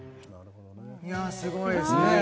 いやすごいですね